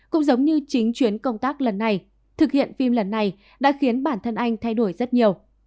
cũng giống như chính chuyến công tác lần này thực hiện phim lần này đã khiến bản thân anh thay đổi rất nhiều